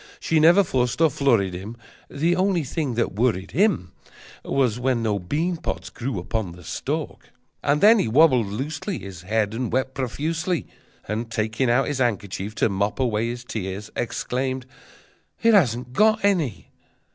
She never fussed or flurried him, The only thing that worried him Was when no bean pods grew upon the stalk! But then he wabbled loosely His head, and wept profusely, And, taking out his handkerchief to mop away his tears, Exclaimed: "It hasn't got any!"